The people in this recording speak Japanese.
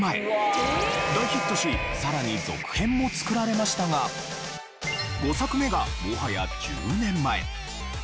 大ヒットしさらに続編も作られましたが５作目がもはや９年前。